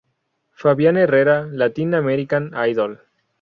Fabián Herrera: Latin American Idol.